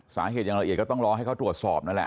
สาเหตุอย่างละเอียดก็ต้องรอให้เขาตรวจสอบนั่นแหละ